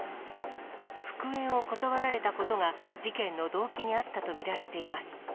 復縁を断られたことが、事件の動機にあったと見られています。